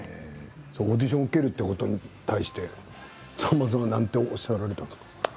オーディションを受けるということに対してさんまさんはなんとおっしゃられたんですか。